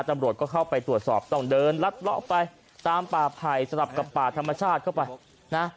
ตำรวจก็เข้าไปตรวจสอบต้องเดินลัดเลาะไปตามป่าไผ่สลับกับป่าธรรมชาติเข้าไปนะ